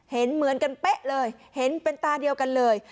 เห็นเหมือนกันเป๊ะเลยเห็นเป็นตาเดียวกันเลย